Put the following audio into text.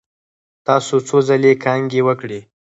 تاسو څو ځلې کانګې وکړې؟